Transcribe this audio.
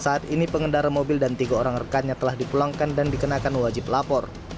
saat ini pengendara mobil dan tiga orang rekannya telah dipulangkan dan dikenakan wajib lapor